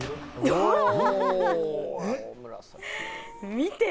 見て！